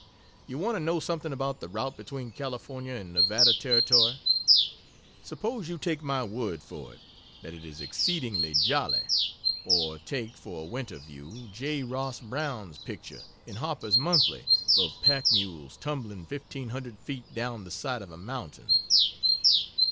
You want to know something about the route between California and Nevada Territory? Suppose you take my word for it, that it is exceedingly jolly. Or take, for a winter view, J. Ross Brown's picture, in Harper's Monthly, of pack mules tumbling fifteen hundred feet down the side of a mountain.